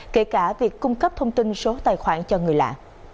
kể cả việc cung cấp thông tin số tài khoản cho người lạ